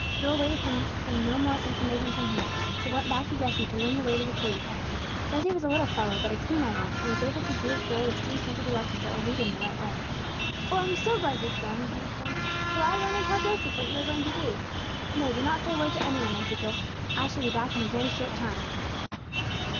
Joel waited for no more information from him, but went back to Jesse to learn the way to the cave. Jesse was a little fellow, but a keen eyed one, and was able to give Joel the few simple directions that would lead him the right way. "Oh, I'm so glad you are going!" he exclaimed. "Shall I run and tell Joseph what you are going to do?" "No, do not say a word to any one," answered Joel. "I shall be back in a very short time."